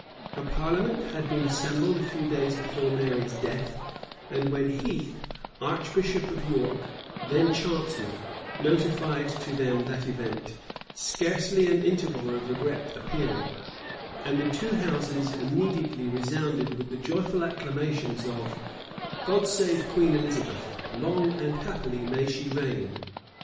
A parliament had been assembled a few days before Mary's death; and when Heathe, archbishop of York, then chancellor, notified to them that event, scarcely an interval of regret appeared; and the two houses immediately resounded with the joyful acclamations of "God save Queen Elizabeth: long and happily may she reign."